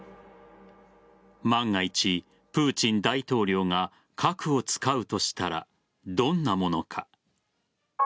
万が一、プーチン大統領が核を使うとしたらどんなものか。